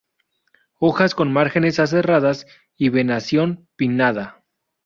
Hojas con márgenes aserradas y venación pinnada.